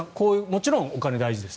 もちろんお金が大事です。